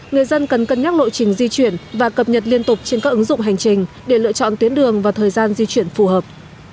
người dân cần cân nhắc lộ trình di chuyển và cập nhật liên tục trên các ứng dụng hành trình để lựa chọn tuyến đường và thời gian di chuyển phù hợp